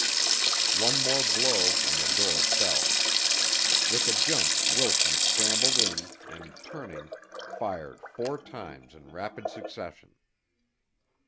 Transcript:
One more blow and the door fell. With a jump Wilson scrambled in and, turning, fired four times in rapid succession.